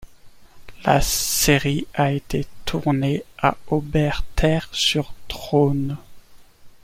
La série a été tournée à Aubeterre-sur-Dronne.